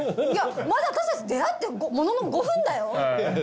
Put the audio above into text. いやまだ私たち出会ってものの５分だよ。